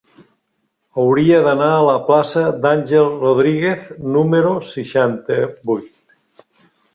Hauria d'anar a la plaça d'Àngel Rodríguez número seixanta-vuit.